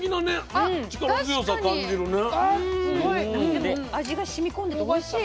でも味がしみ込んでておいしい。